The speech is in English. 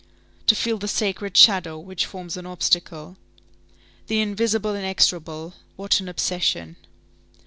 To feel the sacred shadow which forms an obstacle! The invisible inexorable, what an obsession!